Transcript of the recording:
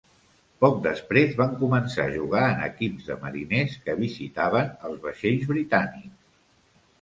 Poc després van començar a jugar en equips de mariners que visitaven els vaixells britànics.